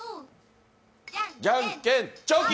じゃんけん、チョキ。